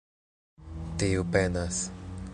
Tiu penas.